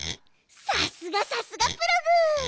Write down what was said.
さすがさすがプログ！